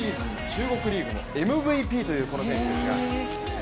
中国リーグのＭＶＰというこの選手ですが。